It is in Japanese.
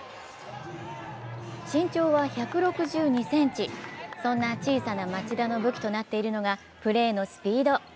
身長は１６２ｃｍ、そんな小さな町田の武器となっているのがプレーのスピード。